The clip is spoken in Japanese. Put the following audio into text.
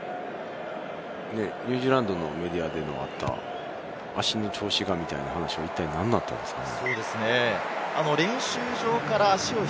リッチー・モウンガの、ニュージーランドのメディアで足の調子がみたいな話は一体、何だったんでしょうね？